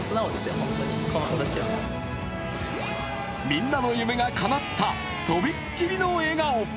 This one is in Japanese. みんなの夢がかなったとびっきりの笑顔。